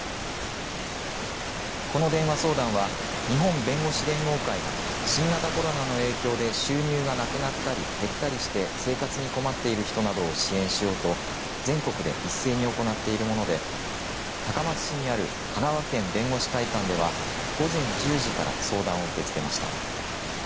この電話相談は日本弁護士連合会が新型コロナの影響で収入がなくなったり減ったりして、生活に困っている人などを支援しようと全国で一斉に行っているもので高松市にある香川県弁護士会館では午前１０時から相談を受け付けました。